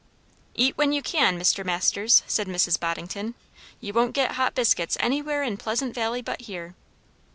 "Eat when you can, Mr. Masters," said Mrs. Boddington; "you won't get hot biscuits anywhere in Pleasant Valley but here."